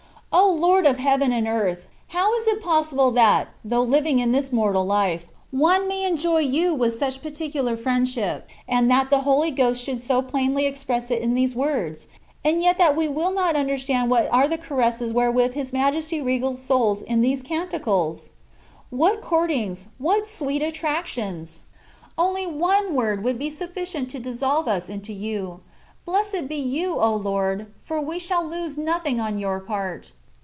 O Lord of heaven and earth ! how is it possible that, though living in this mortal life, one may enjoy you with such particular friend ship, and that the Holy Ghost should so plainly express it in these words ; and yet that we will not understand what are the caresses wherewith His Majesty regales souls in • these Canticles ? What courtings, what sweet attractions! Only one word would be sufficient to dissolve us into you. Blessed be you, O Lord ! for we shall lose nothing on your part.